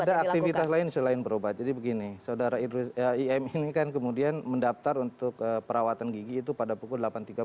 ada aktivitas lain selain berobat jadi begini saudara idris im ini kan kemudian mendaftar untuk perawatan gigi itu pada pukul delapan tiga puluh